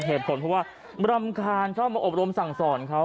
เหตุผลเพราะว่ารำคาญชอบมาอบรมสั่งสอนเขา